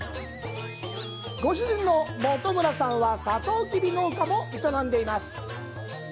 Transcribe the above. ご主人は本村さんは、サトウキビ農家も営んでいます。